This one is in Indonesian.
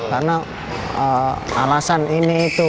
karena alasan ini itu